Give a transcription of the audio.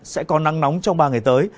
sẽ có nắng nóng trong ba ngày tới